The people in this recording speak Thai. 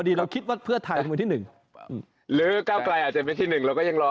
ได้ผมเขียน